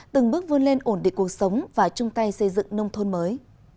từng bước vươn lên ổn định cuộc sống và chung tay xây dựng nông thôn mới